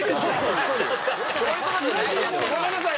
ごめんなさい。